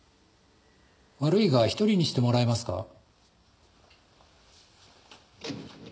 悪いが一人にしてもらえますか。